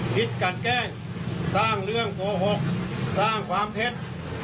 คิดกันแกล้งสร้างเรื่องโกหกสร้างความเท็จ